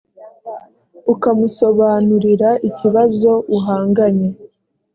ukamusobanurira ikibazo uhanganye